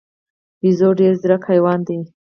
بیزو ډېر ځیرک حیوان دی.